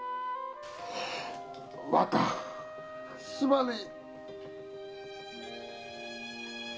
若すまねえ！